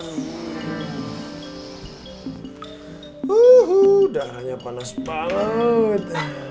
uhuh udaranya panas banget